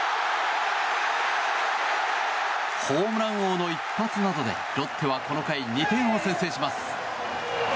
ホームラン王の一発などでロッテはこの回２点を先制します。